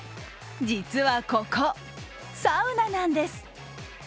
実はここ、サウナなんです。